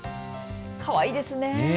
かわいいですね。